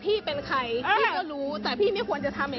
พี่เป็นใครพี่ก็รู้แต่พี่ไม่ควรทำแบบนี้